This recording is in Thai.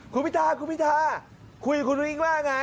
คุณพิธาร่ะคุณพิธาร่ะคุยกับคุณวิงมากไง